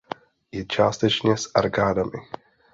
Je částečně s arkádami.